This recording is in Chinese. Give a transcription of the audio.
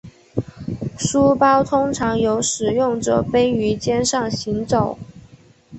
书包通常由使用者背于肩上行走。